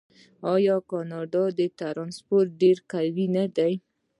آیا د کاناډا پاسپورت ډیر قوي نه دی؟